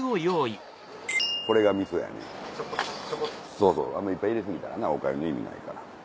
そうそういっぱい入れ過ぎたらなお粥の意味ないから。